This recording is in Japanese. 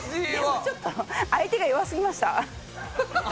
ちょっと相手が弱すぎました。